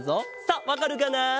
さあわかるかな？